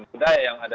budaya yang ada